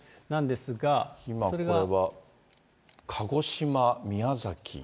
今、これは鹿児島、宮崎。